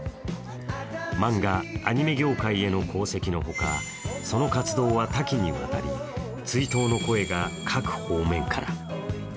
漫画、アニメ業界への功績のほかその活動は多岐にわたり追悼の声が各方面から。